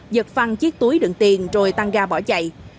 giật phăng chiếc túi đựng tiền rồi tăng ga bỏ chạy